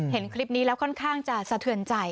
เห็นคลิปนี้แล้วค่อนข้างจะสะเทือนใจ